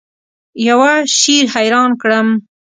یوه شي حیران کړم.